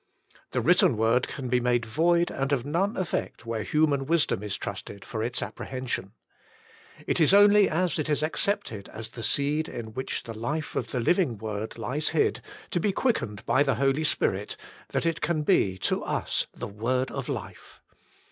The written word can be made void and of none effect where human wisdom is trusted for its apprehension. It is only as it is accepted as the seed in which the life of the Living Word lies hid, to be quickened by the Holy Spirit, that it can be to us the word of life.